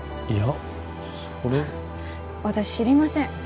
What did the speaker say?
それ私知りません